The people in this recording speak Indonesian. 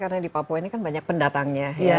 karena di papua ini kan banyak pendatangnya